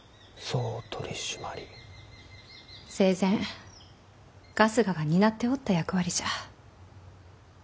生前春日が担っておった役割じゃ。